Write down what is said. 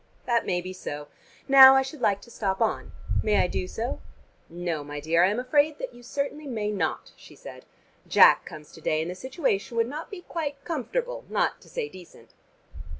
"That may be so. Now I should like to stop on. May I do so?" "No, my dear, I am afraid that you certainly may not," she said. "Jack comes to day and the situation would not be quite comfortable, not to say decent."